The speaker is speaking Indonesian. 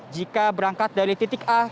jika berangkat dari titik a